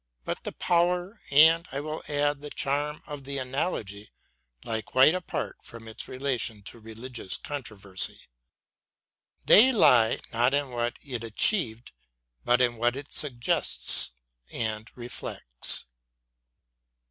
But the power and, I will add, the charm of the " Analogy " lie quite apart from its relation to religious controversy. They lie not in what it achieved but in what it suggests and reflects.